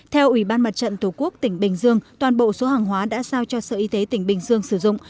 theo ủy ban mặt trận tổ quốc tỉnh bình dương toàn bộ số hàng hóa đã giao cho sở y tế tỉnh bình dương sử dụng